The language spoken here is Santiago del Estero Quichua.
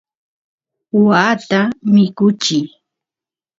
waata mikuchiy